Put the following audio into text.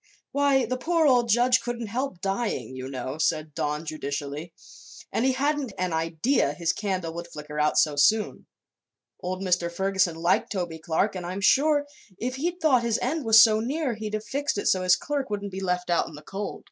"Why, the poor old judge couldn't help dying, you know," said Don, judicially. "And he hadn't an idea his candle would flicker out so soon. Old Mr. Ferguson liked Toby Clark and I'm sure, if he'd thought his own end was so near, he'd have fixed it so his clerk wouldn't be left out in the cold."